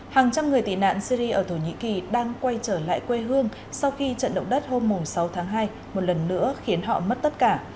hàng trăm người tị nạn syri ở thổ nhĩ kỳ đang quay trở lại quê hương sau khi trận động đất hôm sáu tháng hai một lần nữa khiến họ mất tất cả